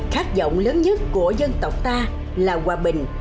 khát vọng lớn nhất của dân tộc ta là hòa bình